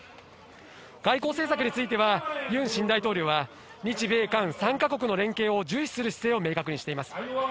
外交政策についてはユン新大統領は日米韓３か国の連携を重視する姿勢を明確にしています。